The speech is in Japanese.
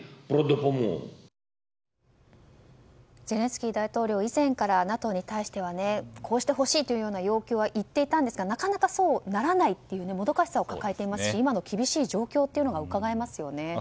ゼレンスキー大統領以前からＮＡＴＯに対してはこうしてほしいという要求は言っていたんですがなかなかそうならないというもどかしさを抱えていますし今の厳しい状況がうかがえますよね。